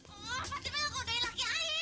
oh fatima gak kodain laki laki ae